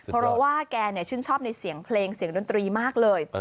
เพราะว่าแกชื่นชอบในเสียงเพลงเสียงดนตรีมากเลย